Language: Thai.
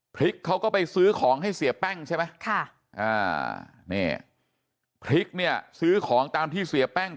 พริกเขาก็ไปซื้อของให้เสียแป้งใช่ไหมพริกเนี่ยซื้อของตามที่เสียแป้ง